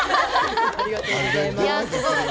ありがとうございます。